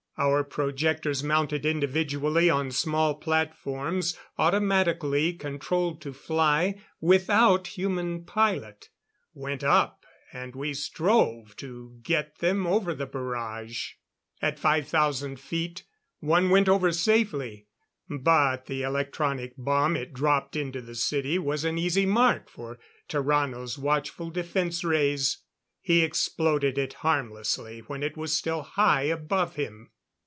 Our projectors, mounted individually on small platforms automatically controlled to fly without human pilot, went up and we strove to get them over the barrage. At five thousand feet one went over safely. But the electronic bomb it dropped into the city was an easy mark for Tarrano's watchful defense rays. He exploded it harmlessly when it was still high above him.